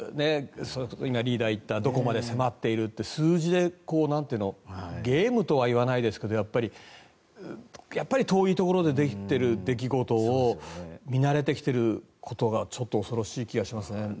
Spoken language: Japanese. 今、リーダーが言ったどこまで迫っていると、数字でゲームとは言わないですけどやっぱり遠いところで起こってる出来事を見慣れてきていることがちょっと恐ろしい気がしますね。